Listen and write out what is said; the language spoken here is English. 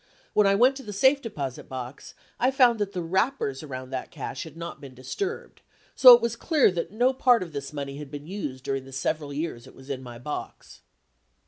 When I went to the safe deposit box, I found that the wrappers around that cash had not been disturbed, so it was clear that no part of this money had been used during the several years it was in my box.